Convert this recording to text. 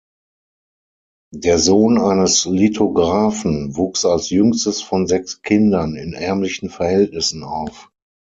Der Sohn eines Lithographen wuchs als jüngstes von sechs Kindern in ärmlichen Verhältnissen auf.